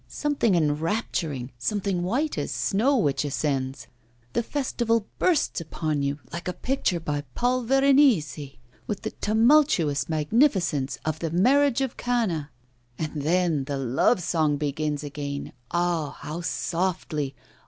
Something enrapturing, something white as snow which ascends! The festival bursts upon you, like a picture by Paul Veronese, with the tumultuous magnificence of the "Marriage of Cana"; and then the love song begins again, oh, how softly!